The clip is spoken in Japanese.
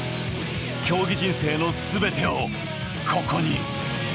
競技人生の全てをここに。